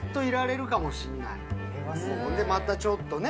でまたちょっとね